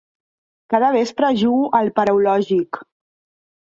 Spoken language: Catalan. Cada vespre jugo al Paraulògic.